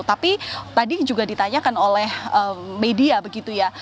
tapi tadi juga ditanyakan oleh media begitu ya